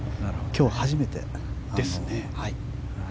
今日初めてですね。